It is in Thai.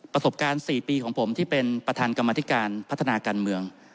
ประสบการณ์๔ปีของผมที่เป็นประธานกรรมธิการพัฒนาการเมือง